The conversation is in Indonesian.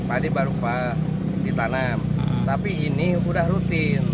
padi baru ditanam tapi ini sudah rutin